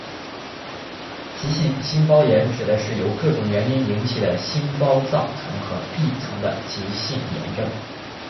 急性心包炎指的是各种原因引起的心包脏层和壁层的急性炎症。